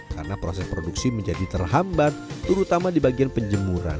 karena proses produksi menjadi terhambat terutama di bagian penjemuran